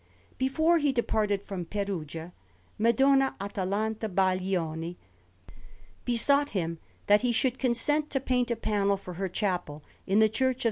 Before he departed from Perugia, Madonna Atalanta Baglioni besought him that he should consent to paint a panel for her chapel in the Church of S.